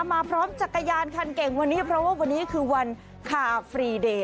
มาพร้อมจักรยานคันเก่งวันนี้เพราะว่าวันนี้คือวันคาฟรีเดย์